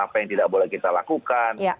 apa yang tidak boleh kita lakukan